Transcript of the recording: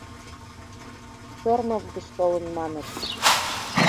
Сормов гыч толын, маныт.